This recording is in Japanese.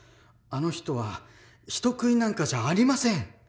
あの人は人食いなんかじゃありません！